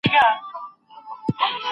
واوره دا خبره